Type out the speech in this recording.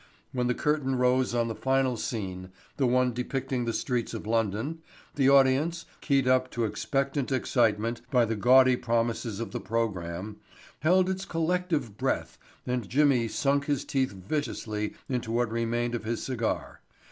When the curtain rose on the final scene—the one depicting the streets of London—the audience, keyed up to expectant excitement by the gaudy promises of the program—held its collective breath and Jimmy sunk his teeth viciously into what remained of his cigar.